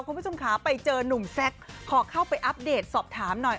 คุณผู้ชมขาไปเจอนุ่มแซคขอเข้าไปอัปเดตสอบถามหน่อย